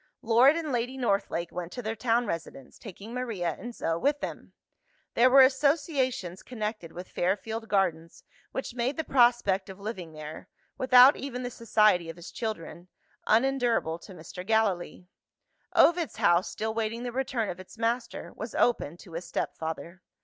Lord and Lady Northlake went to their town residence, taking Maria and Zo with them. There were associations connected with Fairfield Gardens, which made the prospect of living there without even the society of his children unendurable to Mr. Gallilee. Ovid's house, still waiting the return of its master, was open to his step father.